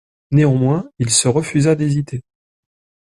Néanmoins, il se refusa d'hésiter.